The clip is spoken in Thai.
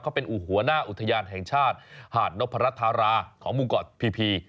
เขาเป็นหัวหน้าอุทยานแห่งชาติหาดนพรัชธาราของมุงเกาะพี